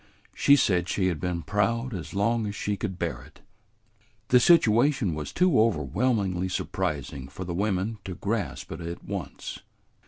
She said she had been proud as long as she could bear it." The situation was too overwhelmingly surprising for the women to grasp it at once.